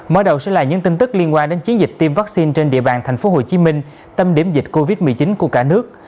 mở đầu sẽ là những tin tức liên quan đến chiến dịch tiêm vaccine trên địa bàn tp hcm tâm điểm dịch covid một mươi chín của cả nước